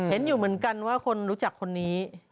เห็นอยู่เหมือนกันว่าคนรู้จักคนนี้